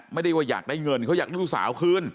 ไม่ได้ว่าอยากได้เงินเขาอยากลูกสาวคืน